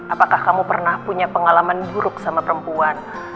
apakah kamu pernah punya pengalaman buruk sama perempuan